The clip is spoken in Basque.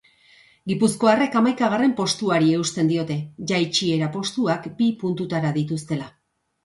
Gipuzkoarrek hamaikagarren postuari eusten diote, jaitsiera postuak bi puntutara dituztela.